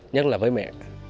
nhất là với mẹ